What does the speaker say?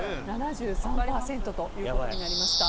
７３％ということになりました。